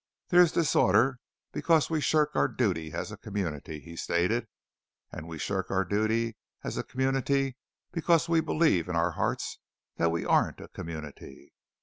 "There is disorder because we shirk our duty as a community," he stated, "and we shirk our duty as a community because we believe in our hearts that we aren't a community.